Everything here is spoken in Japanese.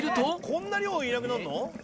こんな量いなくなるの？